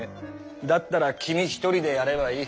だったら君一人でやればいい。